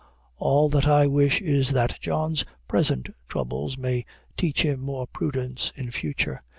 All that I wish is, that John's present troubles may teach him more prudence in future.